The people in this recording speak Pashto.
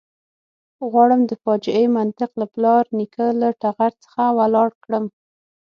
غواړم د فاجعې منطق له پلار نیکه له ټغر څخه ولاړ کړم.